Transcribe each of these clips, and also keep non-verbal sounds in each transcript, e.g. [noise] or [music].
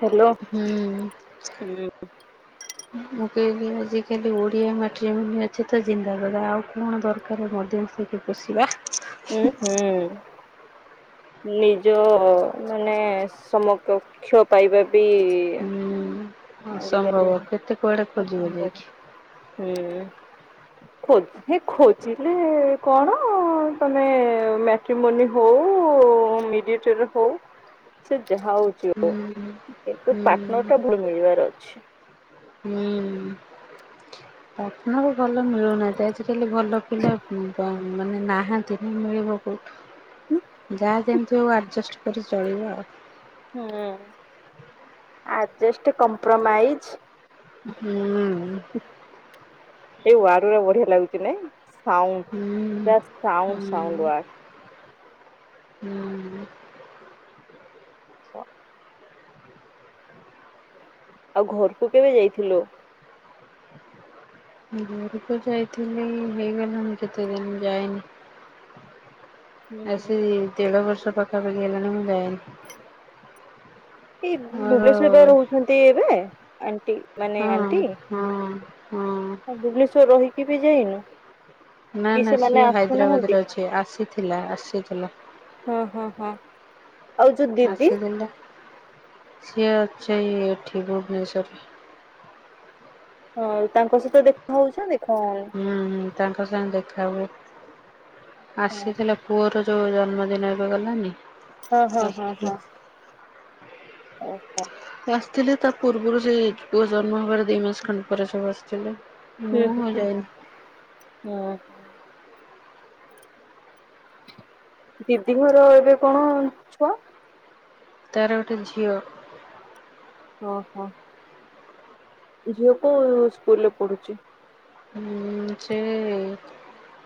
Hello ହୁଁ। ମୁଁ କଇଲି ଆଜିକାଲି ଓଡ଼ିଆ ମାଟ୍ରିମନି ଅଛି ତ ଜିନ୍ଦାବାଦ୍। ଆଉ କଣ ଦରକାର ମଧ୍ୟସ୍ତି ବସିବା। ହୁଁ ହୁଁ। ନିଜ ମାନେ ସମକକ୍ଷ ପାଇବା ବି। ହୁଁ ଆଜିକାଲି ଅସମ୍ଭବ କେତେ କୁଆଡେ ଖୋଜିବ ଅସମ୍ଭବ ଯାଇକି। ହୁଁ ଖୋଜ୍ ହେ ଖୋଜିଲେ କଣ ତମେ ମେଟ୍ରିମୋନି ହଉ ମିଡି ଏଟର୍ ହଉ ସେ ଯାହା ହଉଛି ହଉ ହୁଁ। କିନ୍ତୁ ହୁଁ ପାଟନର ଟା ଭଳି ମିଳିବା [unintelligible] ଅଛି। ହୁଁ। କାମକୁ ଭଲ ମିଳୁ ନାହାଁନ୍ତି ଆଜିକାଲି ଭଲ ପିଲା ବ ମାନେ ନାହାନ୍ତି ମିଳିବ କଉ ଯାହା ଯେମିତି ହଉ ଆଡଜଷ୍ଟ କରି ଚଳିବ ଆଉ। ହୁଁ ଆଯେଷ୍ଟ୍ କମ୍ପ୍ରମାଇଜ୍ ହୁଁ। ଏଇ ୱାର୍ଡ ଗୁରା ବଢିଆ ଲାଗୁଚି ନାଇ ସାଉଣ୍ଡ ହୁଁ ପୂରା ସାଉଣ୍ଡ ସାଉଣ୍ଡ ୱାର୍ଡ। ହୁଁ। ଆଉ ଘରକୁ କେବେ ଯାଇଥିଲୁ? ହୁଁ ଘରକୁ ଯାଇଥିଲି ହେଇଗଲାଣି କେତେ ଦିନ୍ ଯାଇନି। ହୁଁ ହୁଁ। ଆସି ଦେଢ଼ ବର୍ଷ ପାଖାପାଖି, ହେଲାଣି ମୁଁ ଯାାଇନି। ଏଇ ମୋର ଭୁବନେଶ୍ଵର ବା ରହୁଛନ୍ତି ଏବେ, ଆଣ୍ଟି ମାନେ ହଁ ଆଣ୍ଟି! ହଁ ହଁ ଅ ଭୁବନେଶ୍ୱର ରହିକି ବି ଯାଇନୁ। ନା, କି ନା ସେମାନେ ସିଏ ଆସୁନାହାନ୍ତି ହାଇଦ୍ରାବାଦରେ ଅଛି। ଆସିଥିଲା ଆସିଥିଲା। ହଁ ହଁ ହଁ। ଆଉ ଯୋଉ ଦିଦି ଆସିଥିଲା। ସିଏ ଅଛି-ଇ ଏଠି ଭୁବନେଶରରେ। ହଁ, ତାଙ୍କ ସହିତ ଦେଖା ହଉଚି ନା ଦେଖା ଯାଉନି? ହୁଁ, ହୁଁ, ତାଙ୍କ ସାଙ୍ଗେ ଦେଖା ହୁଏ। ହଁ ଆସିଥିଲେ ପୁଅର ଯୋଉ ଜନ୍ମଦିନ ଏବେ ଗଲାନି। ହଁ ହଁ ହଁ ଆସିଥିଲେ ହଁ। ଓହୋ! ଆସିଥିଲେ ତା, ପୂର୍ବରୁ ସେ ପୁଅ ଜନ୍ମ ହେବାର ଦି ମାସ ଖଣ୍ଡେ ପରେ ସବୁ ଆସିଥିଲେ। ହୁଁ ମୁଁ ହୁଁ ଆଉ ହୁଁ ଯାଇନି ହଁ ହଁ। ଦିଦି ଘର ଏବେ କଣ ଛୁଆ? ତାର ଗୋଟେ ଝିଅ। ଓହୋ। ଝିଅ କୋଉ ସ୍କୁଲ ରେ ପଢୁଛି? ଉଁ ଛେ-ଏ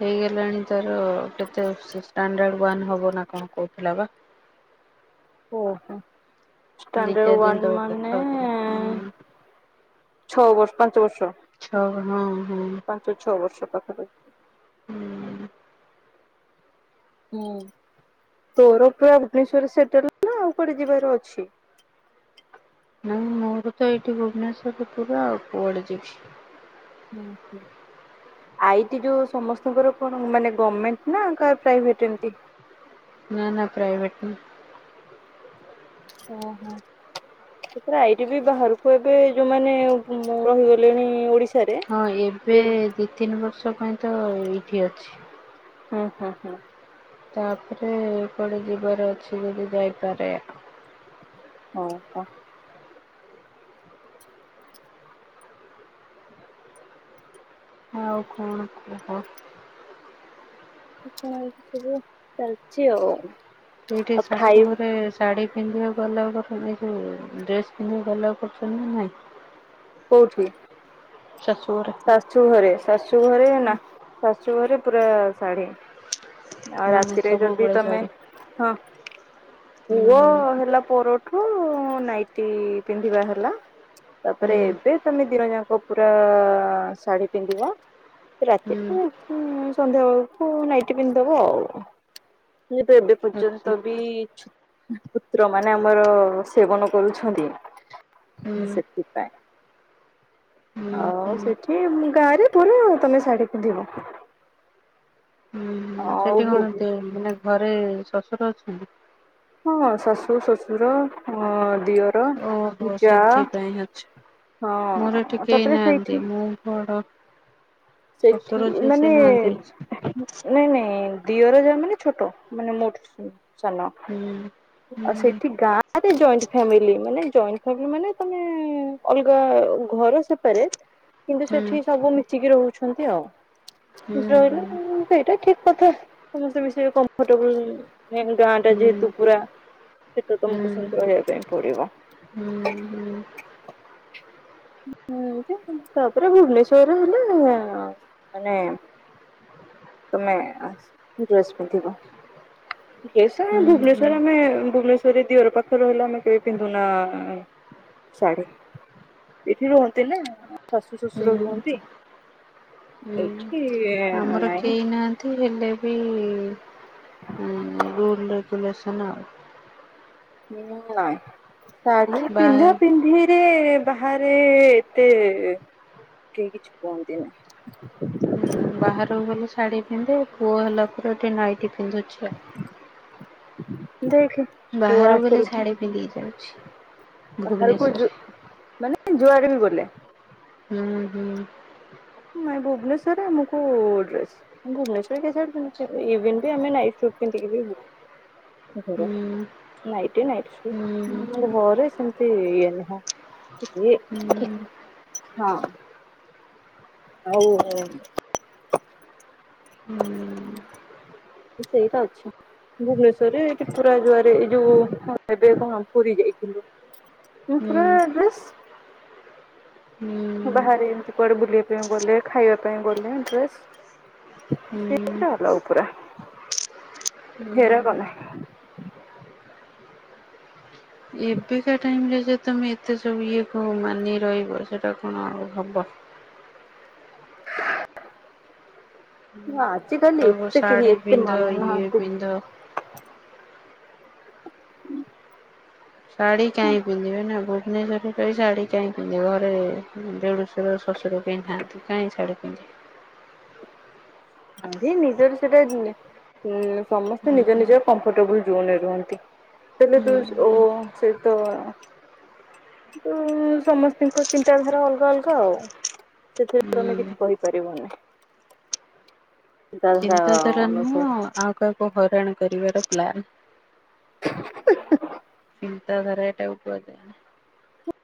ହେଇଗଲାଣି ତାର କେତେ, ଷ୍ଟାଣ୍ଡାର୍ଡ଼ ୱାନ୍ ହବ ନା କଣ କଉଥିଲା ବା? ଓହୋ! ଦି ଷ୍ଟାଣ୍ଡାର୍ଡ ଚାରି ଦିନ ୱାନ୍ ତଳେ କଥା ହଉଥିଲି ହୁଁ ମାନେ-ଏ-ଏଁ ଛଅ ବର୍ଷ, ପାଞ୍ଚ ବର୍ଷ। ଛ ହଁ ହଁ। ପାଞ୍ଚ ଛଅ ବର୍ଷ ପାଖାପାଖି। ହୁଁ। ହୁଁ, ତୋର ପୁରା ଭୁବନେଶ୍ୱରରେ ସେଟେଲ୍ ନା ଆଉ କୁଆଡେ ଯିବାର ଅଛି? ନାଇଁ ମୋର ତ ଏଇଠି ଭୁବନେଶ୍ଵର ପୁରା ଆଉ, କୁଆଡେ ଯିବି? [inaudible] ଆଇଟି ଯୋଉ ସମସ୍ତଙ୍କର କଣ ମାନେ, ଗମେଣ୍ଟ ନା କାର ପ୍ରାଇଭେଟ୍ ଏମିତି। ନା, ନା, ପ୍ରାଇଭେଟ୍ ନା ଓଁ ହୋ। ସେଥିରେ ଆଇଟି ବି ବାହାରକୁ ଏବେ ଯୋଉଁମାନେ ରହିଗଲେଣି ଓଡିଶା ହଁ, ଏବେ ଦି ତିନି ବର୍ଷ ପାଇଁ ତ ଏଇଠି ଅଛି। ହଁ ହଁ ହଁ। ତା'ପରେ କୁଆଡ଼େ ଯିବାର ଅଛି, ବୋଧେ ଯାଇପାରେ। ଅଉ ହଁ। ଆଉ କଣ କୁହ? ଚିକଣ ଏଇତ ସବୁ, ଚାଲିଛି ଆଉ। ଏଇଠି ଆଉ ଶାଶୁ ଖାଇ ଘରେ ଶାଢ଼ୀ ପିନ୍ଧିବାକୁ ଆଲାଉ କରୁଛନ୍ତି, ଏଜଉ ଡ୍ରେସ୍ ପିନ୍ଧିବାକୁ ଆଲାଉ କରୁଛନ୍ତି ନା ନାହିଁ? କଉଠି? ଶାଶୁ ଘରେ। ଶାଶୁ ଘରେ! ଶାଶୁ ଘରେ ନା। ଶାଶୁ ଘରେ ପୁରା ଶାଢୀ। ଆଉ, ମାନେ ରାତିିରେ ଯଦି ସବୁବେଳେ ତମେ ଶାଢ଼ୀ ହଁ, ପୁଅ ହୁଁ ହେଲା ପରଠୁ, ନାଇଟି ପିନ୍ଧିବା ହେଲା। ହୁଁ ତା'ପରେ ଏବେ ତମେ ଦିନ ଯାଁକ ପୁରା-ଆ ଶାଢୀ ପିନ୍ଧିବ। ରାତିରେ ହୁଁ, ସନ୍ଧ୍ୟା ବେଳକୁ ନାଇଟ୍ ପିନ୍ଧିଦବ ଆଉ। ଯେହେତୁ ଏବେ ଆଚ୍ଛା ପର୍ଯ୍ୟନ୍ତ ବି, ଛୁ ପୁତ୍ର ମାନେ ଆମର ସେବନ କରୁଛନ୍ତି, ହୁଁ ସେଥିପାଇଁ। ହୁଁ ଆଉ, ହୁଁ ସେଠି ଗାଁରେ ପୁରା ତମେ ଶାଢୀ ପିନ୍ଧିବ। ହୁଁ, ହୁଁ, ଆଉ ସେଠି କଣ ଭୋଗ ତେ ମାନେ ଘରେ ଶଶୁର ଅଛନ୍ତି? ହଁ ଶାଶୁ, ଶଶୁର ଅ ଦିଅ ଓହୋ ସେଥିପାଇଁ ଅଛି। ମୋର ଏଠି ହଁ କେଇ ତାପରେ ନାହାନ୍ତି, ସେଇଠି ମୁଁ ବଡ। ଶ୍ୱଶୁର ସେଠି ଯିଏ ସେ ମାନେ ନାହାନ୍ତି ଏଠି। ନାଇଁ ନାଇଁ। ଦିଅର ଯାଏ ମାନେ ଛୋଟ ମାନେ ମୋଟ ସାନ ହୁଁ ଆଉ ହୁଁ ସେଇଠି ଗାଁ ଖାଲି ଜଏଣ୍ଟ ଫେମିଲି, ମାନେ ମାନେ ଜଏଣ୍ଟ ଫେମିଲି ମାନେ ତମେ ଅଲଗା ଘର ସେପାରେଟ୍। କିନ୍ତୁ ହୁଁ ସେଠି ସବୁ ମିଶିକି ରହୁଛନ୍ତି ଆଉ। ହୁଁ ରହିଲେ ସେଇଟା ଠିକ୍ କଥା। ସମସ୍ତେ ବି ସେଇ କମ୍ଫର୍ଟବୁଲ ମେନ୍ ଗାଁ ଟା ହୁଁ ଯେହେତୁ ପୁରା ସେଟା ହୁଁ ତମକୁ ସେମତି ରହିବା ପାଇଁ ପଡିବ। ହୁଁ ହୁଁ। ହୁଁ ଯେ ତାପରେ ଭୁବନେଶ୍ଵରରେ ହେଲେ ମାନେ। ତମେ ଆସି ଡ୍ରେସ୍ ପିନ୍ଧିବ। କେଶରେ ହୁଁ ଭୁବନେଶ୍ଵର ହୁଁ ଆମେ ଭୁବନେଶ୍ୱରରେ ଦିଅର ପାଖରେ ରହିଲେ ଆମେ କେବେ ପିନ୍ଧୁନାଆ ଶାଢି ଏଠି ରୁହନ୍ତି ନା ଶାଶୁ, ଶଶୁର ହୁଁ ରୁହନ୍ତି। ହୁଁ ଏଇଠି ଆମର ନାଇଁ କେହି ନାହା ଏ ହେଲେ ବି ରୁଲ ରେଗୁଲେସନ୍ ଆଉ। ଉଁ ନାହିଁ ଶାଢି ପିନ୍ଧା ବା ପିନ୍ଧି ଏତେ ବାହାରେ ଏତେ କେହି କିଛି କୁହନ୍ତିନି। ବାହାରକୁ ଗଲେ ଶାଢ଼ୀ ପିନ୍ଧେ ପୁଅ ହେଲା ପରେ ଏଠି ନାଇଟି ପିନ୍ଧୁଛି ଆଉ। ଦେଖ। ବାହାରକୁ ଗଲେ ଶାଢ଼ୀ ପିନ୍ଧିକି ଯାଉଛି। ସକାଳେ କୁଜ୍ ଭୁବନେଶ୍ଵରରେ। ମାନେ ଜୁଆଡେ ବି ଗଲେ। ହୁଁ ହୁଁ। ନାଇଁ ଭୁବନେଶ୍ୱରରେ ଆମକୁ ଡ୍ରେସ। ଭୁବନେଶ୍ଵରଭି ବି ଆମେ ନାଇଟ୍ ପିନ୍ [unintelligible] ହୁଁ [unintelligible] ନାଇଟି ନାଇଟି ହୁଁ ସୁଟ୍ ଘରେ ସେମତି ଇଏ ନୁହଁ। ଇଏ ହୁଁ। ହଁ। ଆଉ ହଉ। ହୁଁ। ସେଇଟା ଅଛି। ଭୁବନେଶ୍ଵରରେ ଏଠି ପୁରା ଯୁଆରେ ଏଇ ଯୋଉ କଣ ଏବେ କଣ ପୁରୀ ଯାଇଥିଲୁ। ମୁଁ ପୁରା ଡ୍ରେସ୍। ହୁଁ ବାହାରେ ଏମିତି କୁଆଡେ ବୁଲିବା ପାଇଁ ଗଲେ ଖାଇବା ପାଇଁ ଗଲେ ଡ୍ରେସ। ହୁଁ। ସେଇଥିରେ ଫେରକ ନାହିଁ। ଏବେକା ଟାଇମରେ ଯେ ତମେ ଏତେ ସବୁ ଇଏ କ ମାନି ରହିବ ସେଇଟା କଣ ଆଉ ହବ। ଆଜିକାଲି କହିବ ଏତେ କେହି ଶାଢ଼ୀ ଏତେ ପିନ୍ଧ ଇଏ ମାନୁନାହାନ୍ତି। ପିନ୍ଧ। ଶାଢୀ କାହିଁ ପିନ୍ଧିବେ ନା ଭୁବନେଶ୍ୱରରେ। ସେଇ ଶାଢ଼ୀ କାହିଁ ପିନ୍ଧିବି ଘରେ ଦେଢୁଶୁର ଶ୍ୱଶୁର କେହି ନାହାନ୍ତି କାହିଁ ଶାଢ଼ୀ ପିନ୍ଧିବି। ନିଜର ସେଇଟା ନି ସମସ୍ତେ ନିଜ ନିଜର କମ୍ଫଟେବୁଲ ଜୋନରେ ରୁହନ୍ତି। ହୁଁ [unintelligible] ଉଁ ସମସ୍ତିିଙ୍କ ଚିନ୍ତାଧାରା ଅଲଗା ଅଲଗା ଆଉ। ସେଥିରେ ତମେ କିଛି କହିପାରିବନି। ଚିନ୍ତାଧାରା ନୁହଁ ଆଉ କାହାକୁ ହଇରାଣ କରିବାର ପ୍ଲାନ୍। [unintelligible] ଚିନ୍ତାଧାର ଏଇଟାକୁ କୁହାଯାଏ।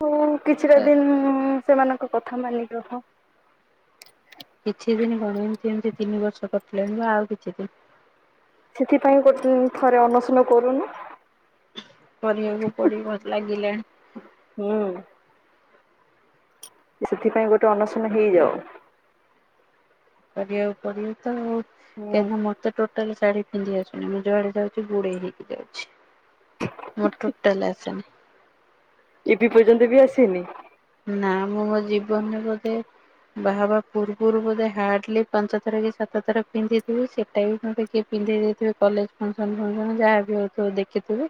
ହୁଁ କିଛିଟା ଦିନ ସେମାନଙ୍କ କଥା ମାନି ରହ। କିଛି ଦିନି କଣ ଏମିତି ଏମିତି ତିନି ବର୍ଷ କଟିଲାଣି ମ ଆଉ କିଛି ଦିନ। ସେଥିପାଇଁ ଗୋଟେ ଥରେ ଅନଶନ କରୁନୁ। କରିବାକୁ ପଡିବ ଲାଗିଲାଣି। ହୁଁ। ସେଥିପାଇଁ ଗୋଟେ ଅନଶନ ହେଇଯାଉ। କରିବାକୁ ପଡିବ ତ ଆଉ ହୁଁ କେହିଁ ମତେ ଟୋଟାଲ ଶାଢୀ ପିନ୍ଧି ଆସୁନି। ମୁଁ ଯୁଆଡେ ଯାଉଛି ଗୁଡେଇ ହେଇକି ଯାଉଛି। ମୋର ଟୋଟାଲ ଆସିନି। ଏବେ ପର୍ଯ୍ୟନ୍ତବି ଆସିନି? ନା ମୁଁ ମୋ ଜୀବନରେ ବୋଧେ ବାହା ହେବା ପୂର୍ବରୁ ବୋଧେ ହାଟଲି ପାଞ୍ଚ ଥର କି ସାତ ଥର ପିନ୍ଧିଥିବୁ ସେଇଟା ବି କିଏ ପିନ୍ଧେଇ ଦେଇଥିବେ କଲେଜ ଫଙ୍କସନ୍ ଫଙ୍କସନ୍ ରେ ଯାହାବ ହଉଥିବ ଦେଖିଥିବେ।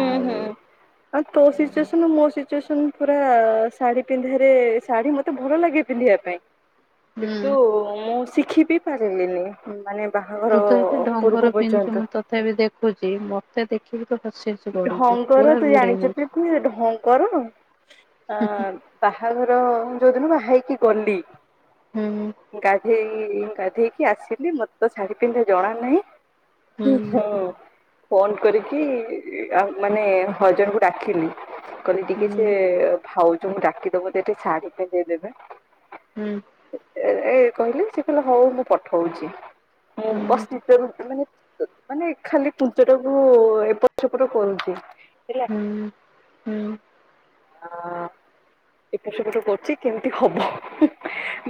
ହୁଁ ହୁଁ ଆଉ ତୋ ସିଚୁଏସନ ମୋ ସିଚୁଏ ପୁରା ଶାଢୀ ପିନ୍ଧାରେ ଶାଢୀ ମତେ ଭଲ ଲାଗେ ପିନ୍ଧିବା ପାଇଁ। ହୁଁ। କିନ୍ତୁ ମୁଁ ଶିଖି ବି ପାରିଲିନି। ମାନେ ବାହାଘର ପୂର୍ବ ପର୍ଯ୍ୟନ୍ତ। ତଥା ବିି ଦେଖୁଛି ବ ଢଙ୍କର ତୁ ଘୋଡେଇ ଜାଣିଛ ହଉଛୁ। ତୁ ଢଙ୍କର ଆ ବାହାଘର ଯୋଉଦିନ ବାହା ହେଇକି ଗଲି। ହୁଁ। ଗାଧେଇ ଗାଧେଇକି ଆସିବି ମତେ ତ ଶାଢୀ ପିନ୍ଧା ଜଣା ନାହିଁ। ହୁଁ ହଁ ଫୋନ କରିକି ଆ ମାନେ ହଜବେଣ୍ଟ କୁ ଡାକିଲି କହିଲି ଟିକେ ସେ ହୁଁ ଭାଉଜଙ୍କୁ ଡାକିଦବୁ ତ ଏଠି ଶାଢି ପିନ୍ଧେଇ ଦେବେ। ହୁଁ। ଏ କହିଲେ ସେ କହିଲେ ହଉ ମୁଁ ପଠଉଛି ମୁଁ ହୁଁ ବସ [inaudible] ମାନେ ମାନେ ଖାଲି କୁଞ୍ଚ ଟାକୁ ଏପଟ ସେପଟ କରୁଛି। ଥିଲା ହୁଁ ହୁଁ ହଁ। ହୁଁ ହୁଁ ହୁଁ ହୁଁ ଏକା ସବୁଠୁ କରୁଛି କେମିତି ହବ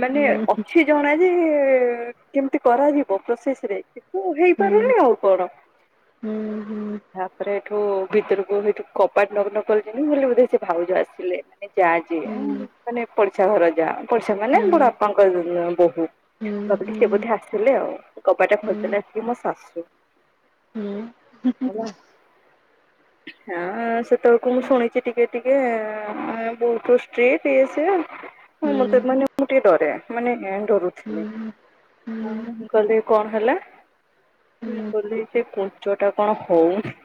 ମାନେ ଅଛି। ଜଣା ଯେ କେମିତି କରାଯିବ ପ୍ରୋସେସ ରେ କିନ୍ତୁ ହୁଁ ହୁଁ ହେଇପାରନି ଆଉ କଣ ହୁଁ ହୁଁ। ତାପରେ ଏଠୁ ଭିତରକୁ ସେଇଠୁ କବାଟ ଲକ କରିଥିଲି ବୋଲି ବୋଧେ ସେ ଭାଉଜ ଆସିଲେ। ଯା ଯେ ମାନେ ପଡିଶା ଘର ଯା ପଡିଶା ମାନେ ବଡ ବାପାଙ୍କର ର ବହୁ। ଭାବିଲି ସିଏ ବୋଧେ ଆସିଲେ ଆଉ କବାଟ ଖୋଲି ଦେଲବସିକି ସିଏ ମୋ ଶାଶୁ। ହୁଁ। ହେଲା। ହଁ ଆଁ ସେତେବେଳକୁ ମୁଁ ଶୁଣିଚି ଟିକେ ଟିକେଏ ଏଁ ବହୁତ ଷ୍ଟ୍ରିକ୍ଟ ଇଏ ସେ ହଁ ମତେ ମାନେ ମୁଁ ଟିକେ ଡରେ ମାନେ ହୁଁ ଡରୁଥିଲି। ହଁ ହୁଁ ମୁଁ କହିଲି କଣ ହେଲା? ମୁଁ ହୁଁ କଲି ଜେ କୁଞ୍ଚଟା କଣ ହଉନି।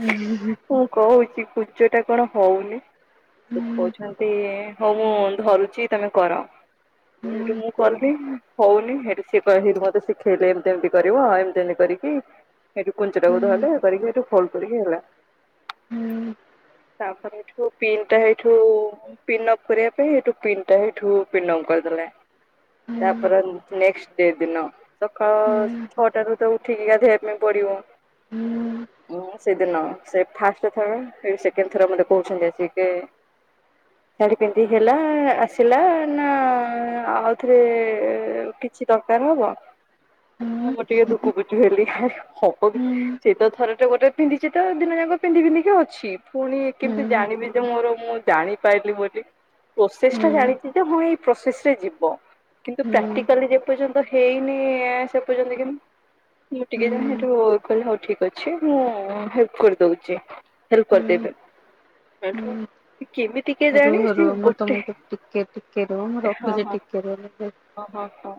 ହୁଁ ହୁ ହୁଁ। ମୁଁ କହୁଛି ପୂଜାଟା କଣ ହଉନି। ସେଠି କହୁଛନ୍ତି ହଉ ମୁଁ ଧରୁଛି ତମେ କର। ହୁଁ। ସେଇଠୁ ମୁଁ କଲି ହଉନି ସେଠୁ ସିଏ ମତେ ଶିଖେଇଲେ ଏମିତି ଏମିତି କରିବ। ଏମିତି ଏମିତି କରିକି ସେଇଠୁ କୁଞ୍ଚଟାକୁ ଧରିଲେ ଧରିକି ସେଠୁ ଫୋଲ୍ଡ କରିକି ହେଲା। ହୁଁ। ତାପରଠୁ ପିନଟା ଏଇଠୁ ପିନ୍ ଅପ କରିବା ପାଇଁ ଏଠୁ ପିନ୍ ଟା ଏଠୁ ପିନ୍ ଆଉଟ କରିଦେଲେ। ତାପରେ ନେସଟ ଡେ ଦିନ ସକାଳ ଛଅଟା ରୁ ତ ଉଠିକି ଗାଧୋଇବା ପାଇଁ ପଡିବ। ହୁଁ। ହଁ ସେଦିନ ସେ ଫାଷ୍ଟ ଥର ଫେରେ ସେକେଣ୍ଡ ଥର ମତେ କୋହୁଛନ୍ତି ଆସିକି। [inaudible] ଶାଢୀ ପିନ୍ଧିଥିଲା ଆସିଲା ନା ଆଉଥରେ ଏ କି କିଛି ଦରକାର ହବ। ହ [inaudible] ମୁଁ ଗୋଟିଏ ଦୁଃଖ ବୁଝି ପାରିଲି ହବ କି ସେ [unintelligible] ତ ଥରେଟେ ଗୋଟେ ପିନ୍ଧିଚି ତ ଦିନ ଯାକ ପିନ୍ଧି ପିନ୍ଧିକି ଅଛି ଫୁଣି କେମିତି ଜାଣିବି ଯେ ମୋର ମୁଁ ଜାଣିପାଇଲି ବୋଲି ପ୍ରୋସେସଟା ଜାଣିଚିତ ମୁଁ ଏଇ ପ୍ରୋସେସ ରେ ଯିବ। କିନ୍ତୁ ପ୍ରାକ୍ଟିକାଲି ଯେ ପର୍ଯ୍ୟନ୍ତ ହେଇନି ସେ ପର୍ଯ୍ୟନ୍ତ [unintelligible] ମୁଁ ଟିକେ କହି [unintelligible] ହେଟୁ କହିଲେ ହୋଉ ଠିକ୍ ଅଛି। ହୋଉଚି। ମୁଁ ହେଲ୍ପ କରିଦୋଉଚି ହେଲ୍ପ କରିଦେବେ। ହେଠୁ ଏ କେମିତି କେଜାଣି ରୁହ ରୁହ ସେ ମୁଁ ଗୋଟେ ତୁମକୁ ଟିକେ ଟିକେ ରୁହ ମୁଁ ରଖୁଚି ଟିକେ ରୁହ [unintelligible] କହ କହ।